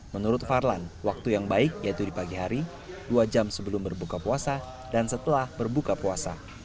menurut farlan waktu yang baik yaitu di pagi hari dua jam sebelum berbuka puasa dan setelah berbuka puasa